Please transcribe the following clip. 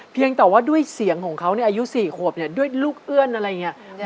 เพียงแต่ว่าด้วยเสียงของเขาในอายุ๔ขวบเนี่ยด้วยลูกเอื้อนอะไรอย่างนี้